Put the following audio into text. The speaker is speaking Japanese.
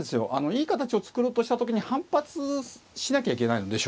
いい形を作ろうとした時に反発しなきゃいけないので。